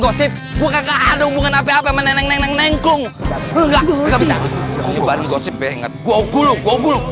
gosip buka buka aduh bukan apa apa menengkong enggak juga bisa gosip banget gua gulung gulung